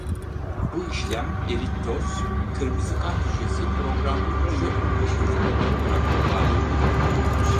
Bu işlem, erittoz, kırmızı kan hücresi programlı hücre ölümü olarak ifade edilir..